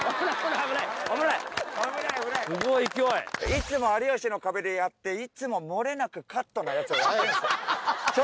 いつも『有吉の壁』でやっていつももれなくカットのやつをアレンジして。